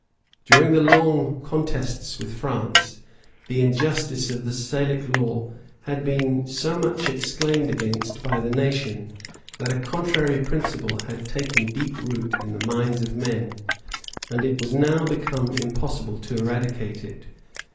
During the long contests with France, the injustice of the Salic law had been so much exclaimed against by the nation, that a contrary principle had taken deep root in the minds of men; and it was now become impossible to eradicate it.